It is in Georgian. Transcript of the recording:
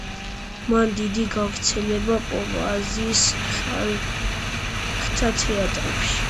მან დიდი გავრცელება პოვა აზიის ხალხთა თეატრებში.